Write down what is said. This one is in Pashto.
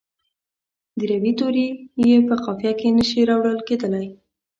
د روي توري یې په قافیه کې نه شي راوړل کیدلای.